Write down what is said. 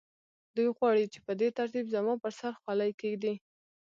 دوی غواړي چې په دې ترتیب زما پر سر خولۍ کېږدي